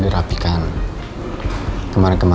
terima kasih ma